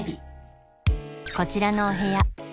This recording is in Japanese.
こちらのお部屋